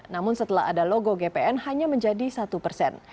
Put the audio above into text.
namun setelah ada logo gpn hanya menjadi satu persen